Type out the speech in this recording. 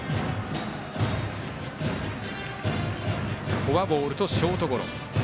フォアボールとショートゴロ。